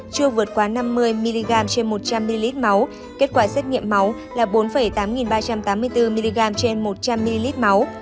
chưa vượt quá năm mươi mg trên một trăm linh ml máu kết quả xét nghiệm máu là bốn tám ba trăm tám mươi bốn mg trên một trăm linh ml máu